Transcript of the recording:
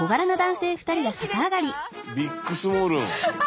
ビックスモールン。